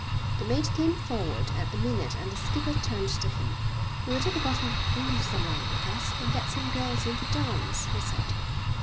The mate came forward at that minute and the skipper turned to him. "We'll take a bottle of booze along with us and get some girls in to dance," he said.